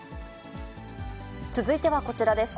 続いてはこちらです。